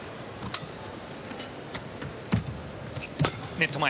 ネット前。